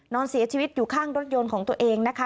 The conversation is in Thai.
นอนเสียชีวิตอยู่ข้างรถยนต์ของตัวเองนะคะ